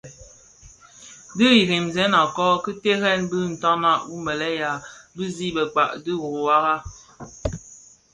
Di iremzëna kō ki terrèn bi ntanag wu mëlèya bi zi bëkpa dhi dhuwara.